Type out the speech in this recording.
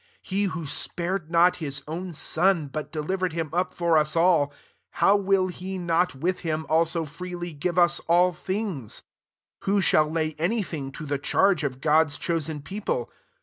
32 He who spared not his own Son, but delivered him up for us all, how will he not, with him, also freely give us all things ? S3 Who shall lay any thing to the charge of God's chosen people